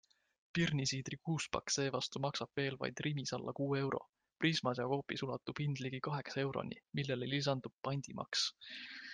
Pirnisiidri kuuspakk seevastu maksab veel vaid Rimis alla kuue euro, Prismas ja Coopis ulatub hind ligi kaheksa euroni, millele lisandub pandimaks.